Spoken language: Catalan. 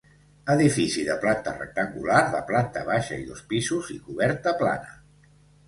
Edifici de planta rectangular de planta baixa i dos pisos i coberta plana.